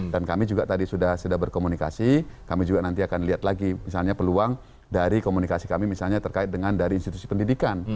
dan kami juga tadi sudah berkomunikasi kami juga nanti akan lihat lagi misalnya peluang dari komunikasi kami misalnya terkait dengan dari institusi pendidikan